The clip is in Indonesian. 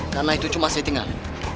karena itu cuma settingan